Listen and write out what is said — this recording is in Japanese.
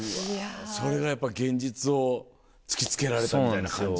それがやっぱ現実を突き付けられたみたいな感じだ。